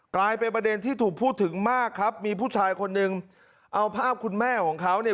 กลายเป็นประเด็นที่ถูกพูดถึงมากครับมีผู้ชายคนหนึ่งเอาภาพคุณแม่ของเขาเนี่ย